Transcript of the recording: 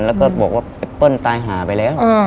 แล้วก็บอกว่าไอ้เปิ้ลตายหาไปแล้ว